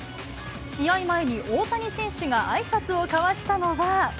試合前に大谷選手があいさつを交わしたのは。